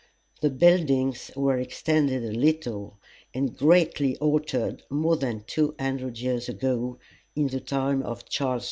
The buildings were extended a little and greatly altered more than two hundred years ago, in the time of Charles II.